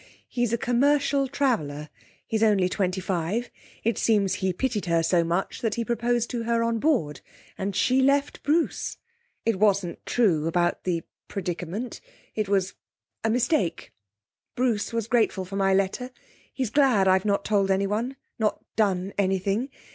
He's a commercial traveller. He's only twenty five.... It seems he pitied her so much that he proposed to her on board, and she left Bruce. It wasn't true about the predicament. It was a mistake. Bruce was grateful for my letter. He's glad I've not told anyone not done anything.